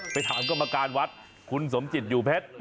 ไปถามกรรมการวัดคุณสมจิตอยู่เพชร